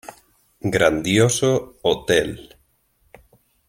Grandioso hotel.